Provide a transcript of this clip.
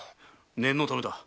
念のためだ。